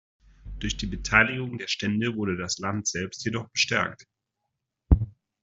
Durch die Beteiligung der Stände wurde das Land selbst jedoch gestärkt.